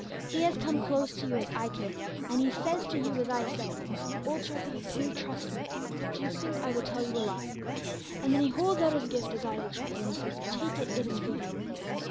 He has come close to you, as I came, and He says to you, as I said: 'Old Treffy, can you trust Me? do you think I would tell you a lie?' And then He holds out His gift, as I did, Treffy, and He says, 'Take it; it is for you.'